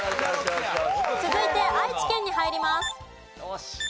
続いて愛知県に入ります。